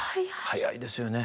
早いですよね。